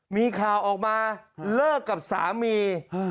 มีข่าวออกมาเลิกกับสามี